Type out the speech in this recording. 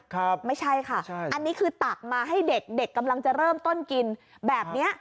ครับไม่ใช่ค่ะอันนี้คือตักมาให้เด็กกำลังจะเริ่มต้นกินแบบนี้